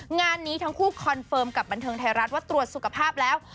งานนี้ทั้งคู่คอนเฟิร์มกับบันเทิงไทยรัฐว่าตรวจสุขภาพแล้ว